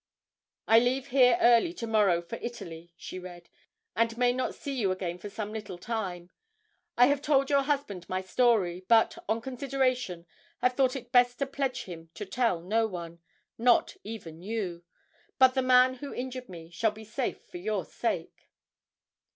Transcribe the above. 'I leave here early to morrow for Italy,' she read, 'and may not see you again for some little time. I have told your husband my story, but, on consideration, have thought it best to pledge him to tell no one not even you. But the man who injured me shall be safe for your sake.'